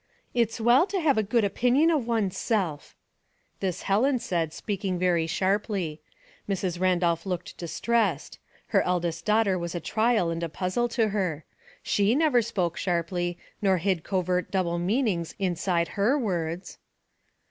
"It's well to have a good opinion of one's self." This Helen said, speaking very sharply. Mrs. Randolph looked distressed, her eldest daughter was a trial and a puzzle to her. She never spoke sharply, nor hid covert double meanings inside her words.